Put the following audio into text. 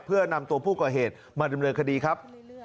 เพื่อนำตัวผู้ก่อเหตุมาดำเนินคดีครับ